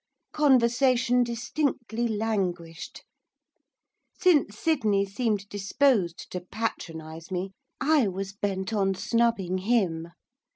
Conversation distinctly languished. Since Sydney seemed disposed to patronise me, I was bent on snubbing him.